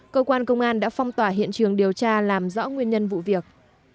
cơ quan công an đã phong tỏa hiện trường điều tra làm rõ nguyên nhân vụ việc